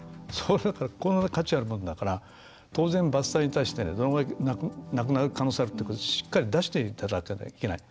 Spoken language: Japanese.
だから、価値あるものだから当然、伐採に対してどれぐらいなくなる可能性があるってこと、しっかり出していただかなきゃいけない。